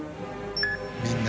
みんな。